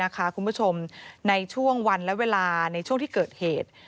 คุณผู้ชมในช่วงวันและเวลาในช่วงที่เกิดเหตุ